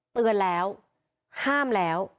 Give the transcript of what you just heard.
เตือนแล้วห้ามแล้ว